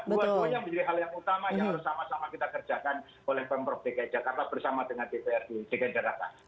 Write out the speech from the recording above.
dua duanya menjadi hal yang utama yang harus sama sama kita kerjakan oleh pemprov dki jakarta bersama dengan dprd dki jakarta